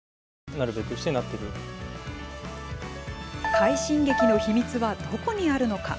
快進撃の秘密はどこにあるのか。